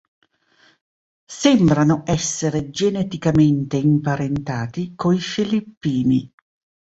Sembrano essere geneticamente imparentati coi filippini.